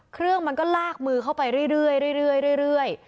เครื่องมันก็ลากมือเข้าไปเรื่อย